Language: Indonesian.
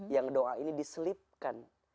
yang doa ini diselipkan